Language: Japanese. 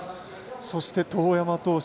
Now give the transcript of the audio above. そして當山投手